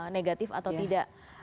negatif atau tidak